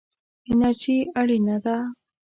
انرژي اړینه ده.